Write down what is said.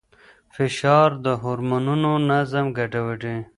فشار د هورمونونو نظم ګډوډوي.